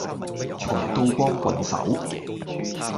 財到光棍手